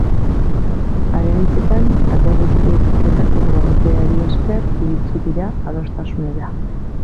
Haren hitzetan, alde guztiek jarritako borondateari esker iritsi dira adostasunera.